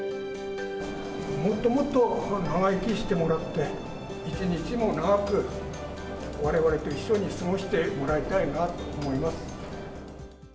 もっともっと長生きしてもらって、一日も長く、われわれと一緒に過ごしてもらいたいなと思います。